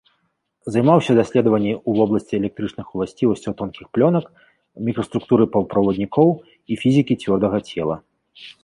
Займаўся даследаваннямі ў вобласці электрычных уласцівасцяў тонкіх плёнак, мікраструктуры паўправаднікоў і фізікі цвёрдага цела.